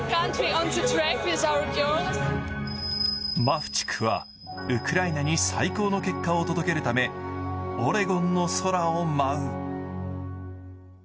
マフチクはウクライナに最高の結果を届けるためオレゴンの空を舞う。